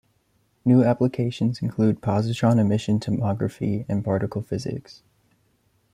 New applications include positron emission tomography and particle physics.